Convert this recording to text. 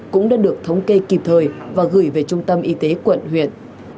cũng đã được thống kê kịp thời và gửi về trung tâm y tế quận huyện